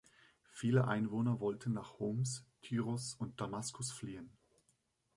Viele Einwohner wollten nach Homs, Tyros und Damaskus fliehen.